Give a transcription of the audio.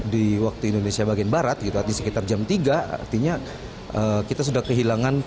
di waktu indonesia bagian barat di sekitar jam tiga artinya kita sudah kehilangan